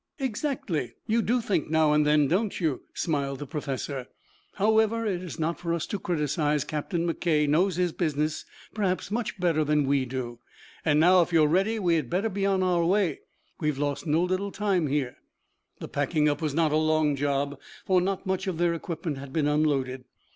"Exactly. You do think now and then, don't you?" smiled the professor. "However, it is not for us to criticize. Captain McKay knows his business perhaps much better than do we. And now, if you are ready we had better be on our way. We have lost no little time here." The packing up was not a long job for not much of their equipment had been unloaded.